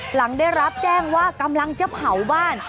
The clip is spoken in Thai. หลังได้รับแจ้งว่ากำลังจะเผาบ้าน